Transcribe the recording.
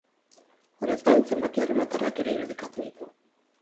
Horrez gain, zenbaki erromatarrak ere irudikatu ditu.